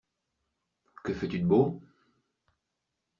Que fais-tu de beau?